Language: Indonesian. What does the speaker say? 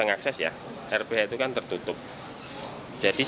nanti kita tahu itu di